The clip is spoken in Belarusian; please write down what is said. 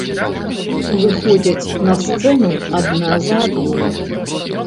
Выходзяць на сцэну адна за адной.